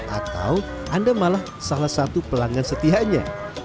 atau anda malah salah satu pelanggan setianya